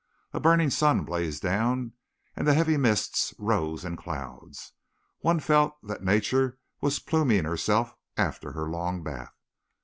A burning sun blazed down, and the heavy mists rose in clouds. One felt that Nature was pluming herself after her long bath.